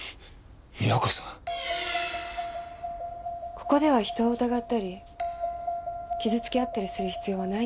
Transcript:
ここでは人を疑ったり傷つけ合ったりする必要はないんです。